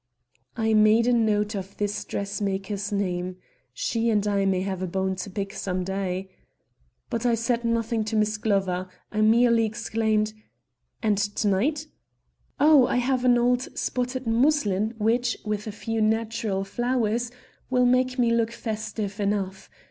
I made a note of this dressmaker's name. She and I may have a bone to pick some day. But I said nothing to Miss Glover. I merely exclaimed: "And to night?" "Oh, I have an old spotted muslin which, with a few natural flowers, will make me look festive enough.